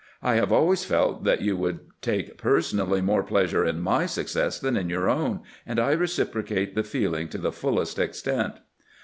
... I have always felt that you would take personally more pleasure in my success than in your own, and I reciprocate the feeling to the fullest extent."